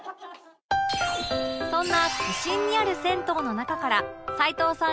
そんな都心にある銭湯の中から齊藤さん